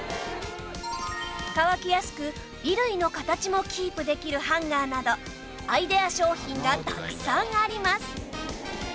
乾きやすく衣類の形もキープできるハンガーなどアイデア商品がたくさんあります